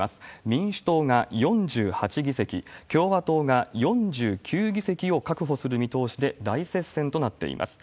民主党が４８議席、共和党が４９議席を確保する見通しで大接戦となっています。